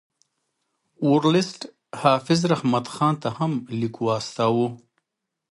ورلسټ حافظ رحمت خان ته هم لیک واستاوه.